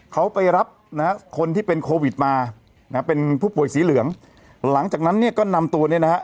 เขาไปรับนะฮะคนที่เป็นโควิดมานะฮะเป็นผู้ป่วยสีเหลืองหลังจากนั้นเนี่ยก็นำตัวเนี่ยนะฮะ